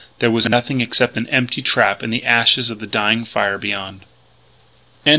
There was nothing there except an empty trap and the ashes of the dying fire beyond.